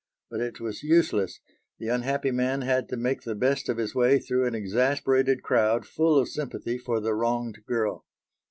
But it was useless; the unhappy man had to make the best of his way through an exasperated crowd full of sympathy for the wronged girl.